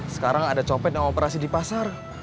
sekarang ada copet yang operasi di pasar